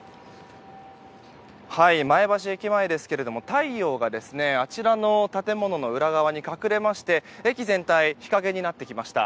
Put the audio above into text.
前橋駅前ですけども太陽があちらの建物の裏側に隠れまして駅全体、日陰になってきました。